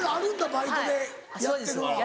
バイトでやってるとか。